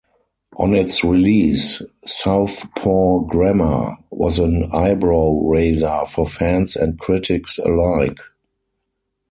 On its release "Southpaw Grammar" was an eyebrow-raiser for fans and critics alike.